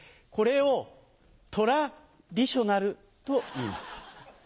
これをトラディショナルといいます。